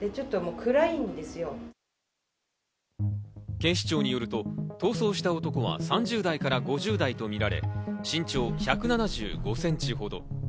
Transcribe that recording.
警視庁によると、逃走した男は３０代から５０代とみられ、身長１７５ｃｍほど。